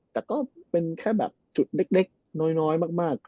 แต่ก็เป็นแค่แบบจุดเล็กน้อยมาก